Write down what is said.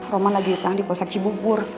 roman lagi ditahan di polsek cibubur